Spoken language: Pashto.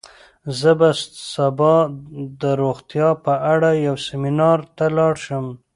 زه به سبا د روغتیا په اړه یو سیمینار ته لاړ شم.